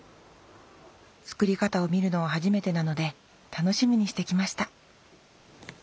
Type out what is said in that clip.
作り方を見るのは初めてなので楽しみにしてきました